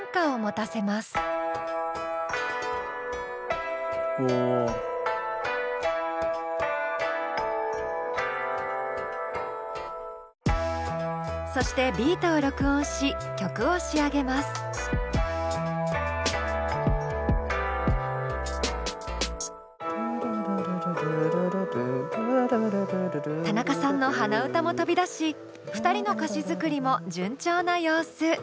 たなかさんの鼻歌も飛び出し２人の歌詞作りも順調な様子。